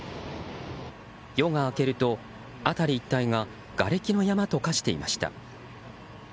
夜が明けると辺り一帯ががれきの山と化していました。